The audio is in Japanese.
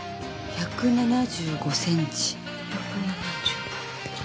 １７５。